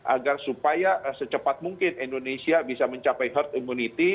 agar supaya secepat mungkin indonesia bisa mencapai herd immunity